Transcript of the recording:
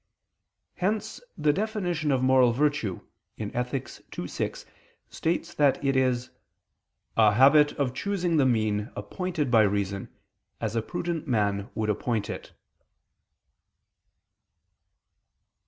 Hence the definition of moral virtue (Ethic. ii, 6) states that it is "a habit of choosing the mean appointed by reason as a prudent man would appoint it."